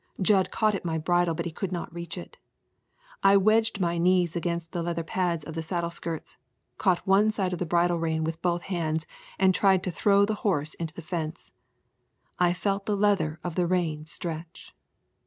Jud caught at my bridle, but he could not reach it. I wedged my knees against the leather pads of the saddle skirts, caught one side of the bridle rein with both hands, and tried to throw the horse into the fence. I felt the leather of the rein stretch.